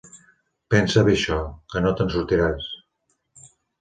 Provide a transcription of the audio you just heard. Pensa bé això: que no te'n sortiràs.